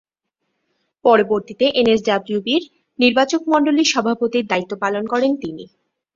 পরবর্তীতে এনএসডব্লিউ’র নির্বাচকমণ্ডলীর সভাপতির দায়িত্ব পালন করেন তিনি।